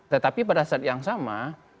tetapi pada saat yang sama